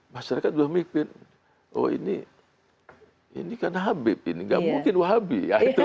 masyarakat sudah mimpin oh ini kan habib ini nggak mungkin wahabi